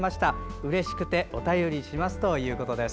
うれしくてお便りしますということです。